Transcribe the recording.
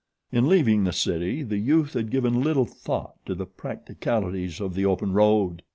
In leaving the city the youth had given little thought to the practicalities of the open road.